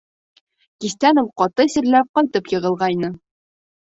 Кистән ул ҡаты сирләп ҡайтып йығылғайны.